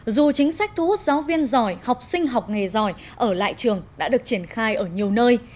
dù chính sách thu hút giáo viên giỏi học sinh học nghề giỏi ở lại trường đã được triển khai ở nhiều nơi